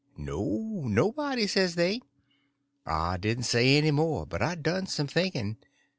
No, nobody, says they. I didn't say any more, but I done some thinking.